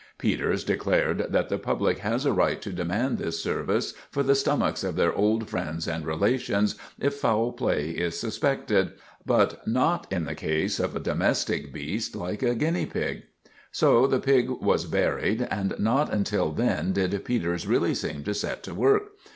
Peters declared that the public has a right to demand this service for the stomachs of their old friends and relations if foul play is suspected; but not in the case of a domestic beast like a guinea pig. So the pig was buried, and not until then did Peters really seem to set to work.